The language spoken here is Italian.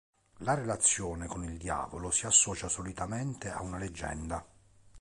La relazione con il diavolo si associa solitamente a una leggenda.